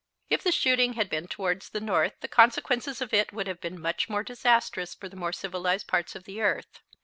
If the shooting had been towards the north the consequences of it would have been much more disastrous for the more civilized parts of the earth.